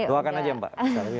doakan aja mbak